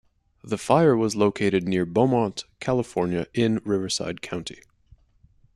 The fire was located near Beaumont, California in Riverside County.